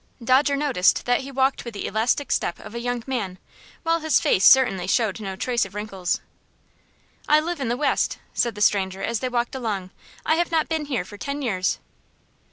Dodger noticed that he walked with the elastic step of a young man, while his face certainly showed no trace of wrinkles. "I live in the West," said the stranger, as they walked along. "I have not been here for ten years."